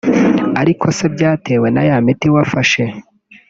Ariko se byatewe na ya miti wafashe